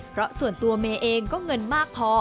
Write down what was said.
เพราะส่วนตัวเมย์เองก็เงินมากพอ